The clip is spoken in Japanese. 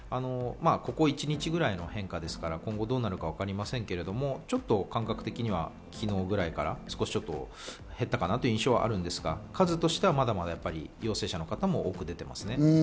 ここ一日ぐらいの変化ですから、今後どうなるかわかりませんけど、ちょっと感覚的には昨日ぐらいから少し減ったかなという印象がありますが、数としてはまだまだ陽性者の方も多く出ています。